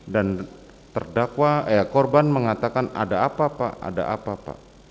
dan korban mengatakan ada apa pak ada apa pak